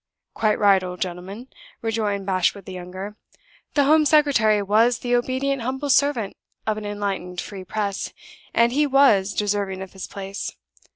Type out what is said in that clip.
"Quite right, old gentleman!" rejoined Bashwood the younger. "The Home Secretary was the obedient humble servant of an enlightened Free Press, and he was deserving of his place.